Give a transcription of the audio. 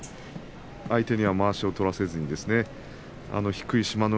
相手にまわしを取らせずに低い志摩ノ